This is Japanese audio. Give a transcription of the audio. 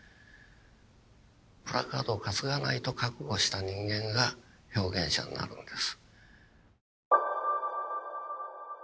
プラカードを担がないと覚悟した人間が表現者になるんです。